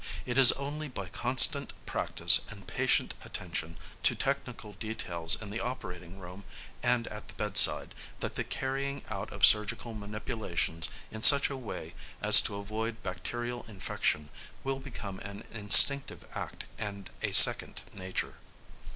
It is only by constant practice and patient attention to technical details in the operating room and at the bedside, that the carrying out of surgical manipulations in such a way as to avoid bacterial infection will become an instinctive act and a second nature.